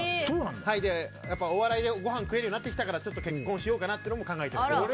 お笑いでご飯食えるようになってきたから結婚しようかなってのも考えて。